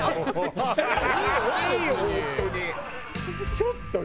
ちょっとね。